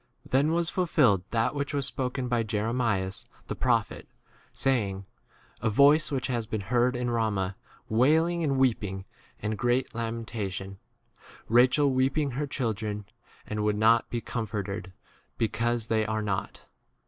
Then was fulfilled that which was spoken byj Jeremias the pro 18 phet, saying, A voice has been heard in Rama, wailing, and weep ing, and great lamentation: Ra chel weeping her children, and would not be comforted, because they are not.